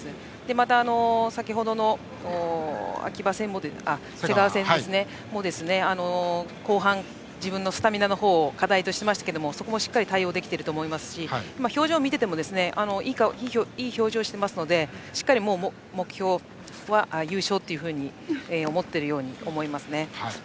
また、先程の瀬川戦も後半、自分のスタミナを課題としていましたがそこもしっかり対応できていると思いますし表情を見ていてもいい表情をしているのでしっかり、目標は優勝と思っているように思います。